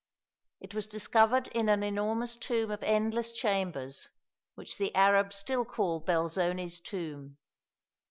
It was discovered in an enormous tomb of endless chambers, which the Arabs still call "Belzoni's tomb."